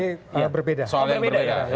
soal yang berbeda ya